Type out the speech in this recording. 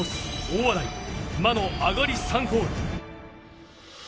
・大洗魔の上がり３ホール。